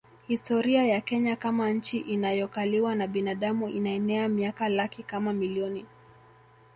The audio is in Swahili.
Historia ya Kenya kama nchi inayokaliwa na binadamu inaenea miaka laki kama milioni